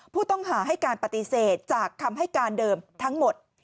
ผู้ต้องหาให้การปฏิเสธจากคำให้การเดิมทั้งหมด